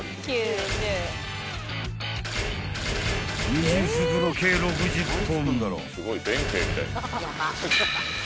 ［２０袋計６０本］